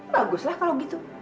baguslah kalo gitu